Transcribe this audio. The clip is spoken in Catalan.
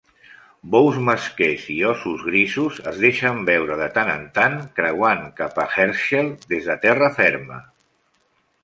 Bous mesquers i óssos grisos es deixen veure de tant en tant, creuant cap a Herschel des de terra ferma.